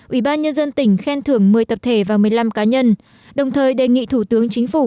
ủy ban nhân dân tỉnh khen thưởng một mươi tập thể và một mươi năm cá nhân đồng thời đề nghị thủ tướng chính phủ